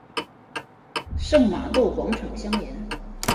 圣玛窦广场相连。